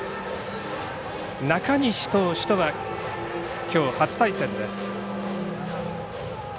中西投手とは、きょう初対戦です。